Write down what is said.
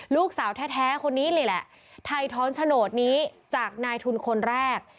ลูกสาวแท้คนนี้เลยแหละถ่ายท้อนโฉนดนี้จากนายทุนคนแรก